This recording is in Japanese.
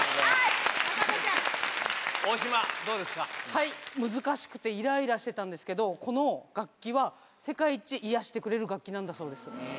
はい、難しくていらいらしてたんですけど、この楽器は、世界一癒やしてくれる楽器なんだそうです。